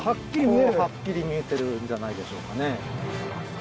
はっきり見えてるんじゃないでしょうかね。